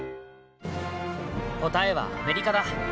答えはアメリカだ！